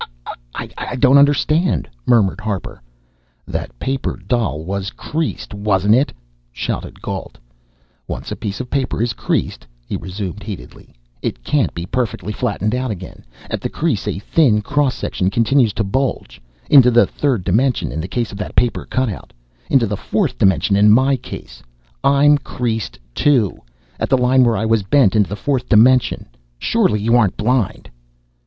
"I I don't understand," murmured Harper. "That paper doll was creased, wasn't it?" shouted Gault. "Once a piece of paper is creased," he resumed heatedly, "it can't be perfectly flattened out again. At the crease a thin cross section continues to bulge into the third dimension in the case of that paper cutout. Into the fourth dimension in my case! I'm creased too, at the line where I was bent into the fourth dimension! Surely you aren't blind?"